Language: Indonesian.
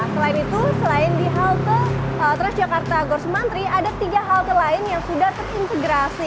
selain itu selain di halte transjakarta gor sumantri ada tiga halte lain yang sudah terintegrasi